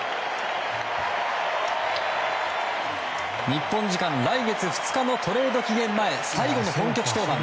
日本時間来月２日のトレード期限前最後の本拠地登板。